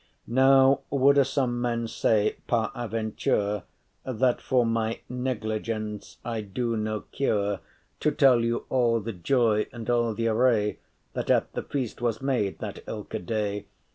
Now woulde some men say paraventure That for my negligence I do no cure* *take no pains To tell you all the joy and all th’ array That at the feast was made that ilke* day.